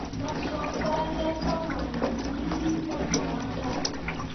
Na soɓ zah yeb pahmanlii mo joŋra ka.